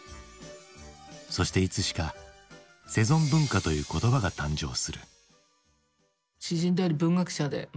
そしていつしか「セゾン文化」という言葉が誕生する。